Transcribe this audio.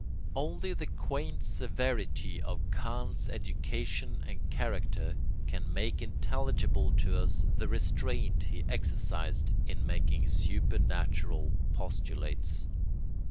] Only the quaint severity of Kant's education and character can make intelligible to us the restraint he exercised in making supernatural postulates.